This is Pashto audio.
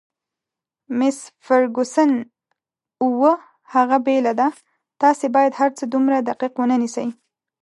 مس فرګوسن: اوه، هغه بېله ده، تاسي باید هرڅه دومره دقیق ونه نیسئ.